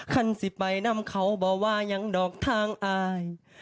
คันสิไปนำเขาบอกว่ายังดอกทางอาย